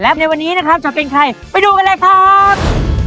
และในวันนี้นะครับจะเป็นใครไปดูกันเลยครับ